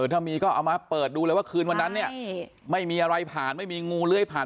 ถ้ามีก็เอามาเปิดดูเลยว่าคืนวันนั้นเนี่ยไม่มีอะไรผ่านไม่มีงูเลื้อยผ่าน